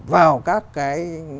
vào các cái